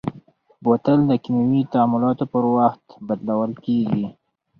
بوتل د کیمیاوي تعاملاتو پر وخت بدلول کېږي.